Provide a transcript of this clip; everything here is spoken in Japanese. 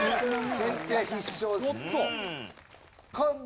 先手必勝ですね。